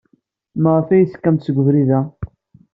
Maɣef ay tekkamt seg ubrid-a?